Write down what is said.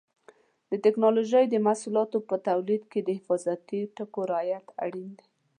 د ټېکنالوجۍ د محصولاتو په تولید کې د حفاظتي ټکو رعایت اړین دی.